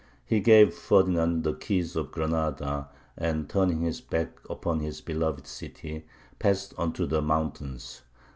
He gave Ferdinand the keys of Granada, and, turning his back upon his beloved city, passed on to the mountains.